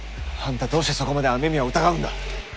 あんたどうしてそこまで雨宮を疑うんだ？